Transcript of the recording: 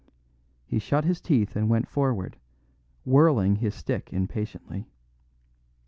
He shut his teeth and went forward, whirling his stick impatiently.